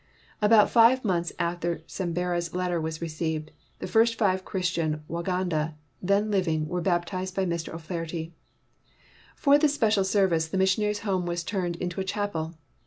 About five months after Sembera's letter was received, the first five Christian Wa ganda then living were baptized by Mr. O 'Flaherty. For this special service the missionaries ' home was turned into a chapel.